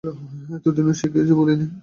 এতদিনেও সে কিছুই বলেনি।